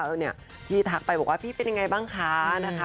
เนี่ยพี่ทักไปบอกว่าพี่เป็นยังไงบ้างคะนะคะ